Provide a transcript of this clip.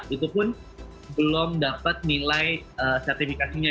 itu pun belum dapat nilai sertifikasinya